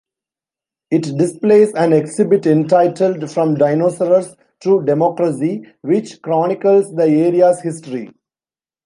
It displays an exhibit entitled "From Dinosaurs to Democracy", which chronicles the area's history.